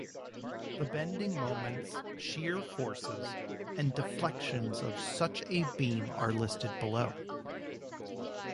The bending moments, shear forces, and deflections of such a beam are listed below.